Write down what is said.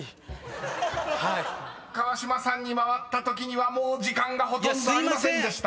［川島さんに回ったときにはもう時間がほとんどありませんでした。